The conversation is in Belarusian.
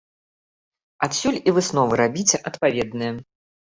Адсюль і высновы рабіце адпаведныя.